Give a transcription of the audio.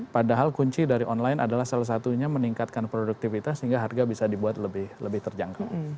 padahal kunci dari online adalah salah satunya meningkatkan produktivitas sehingga harga bisa dibuat lebih terjangkau